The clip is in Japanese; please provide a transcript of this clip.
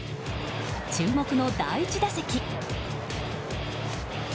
注目の第１打席。